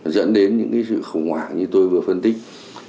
dẫn đến những sự khủng hoảng như tôi vừa phân tích